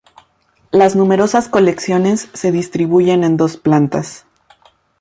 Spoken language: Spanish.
Las numerosas colecciones se distribuyen en dos plantas.